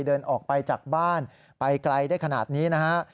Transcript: เดินออกไปจากบ้านไปไกลได้ขนาดนี้นะฮะ